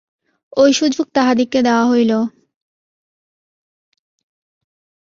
ঐ সুযোগ তাহাদিগকে দেওয়া হইল।